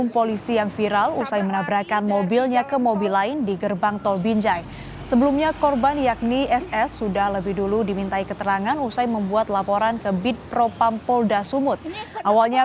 polis mencari korban yang berada di belakangnya